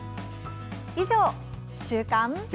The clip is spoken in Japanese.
以上、週刊。